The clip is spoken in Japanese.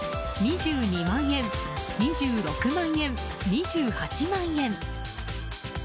２２万円、２６万円、２８万円。